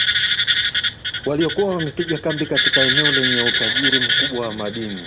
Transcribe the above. waliokuwa wamepiga kambi katika eneo lenye utajiri mkubwa wa madini